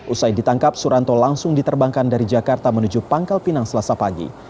usai ditangkap suranto langsung diterbangkan dari jakarta menuju pangkal pinang selasa pagi